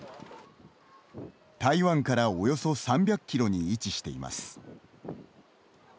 台湾からおよそ３００キロに位置しています。